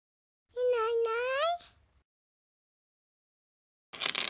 いないいない。